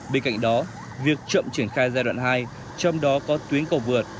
bên cạnh đó việc chậm triển khai giai đoạn hai trong đó có tuyến cầu vượt